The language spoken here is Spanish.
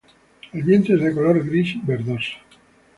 El vientre es color gris verdoso.